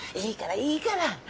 いいからいいから。